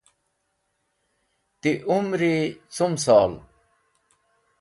Ti Umri cum sol? How old are you?